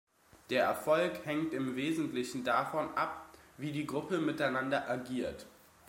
Der Erfolg hängt im Wesentlichen davon ab, wie die Gruppe miteinander agiert.